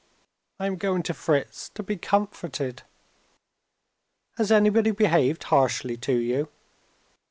"I am going to Fritz, to be comforted." "Has anybody behaved harshly to you?"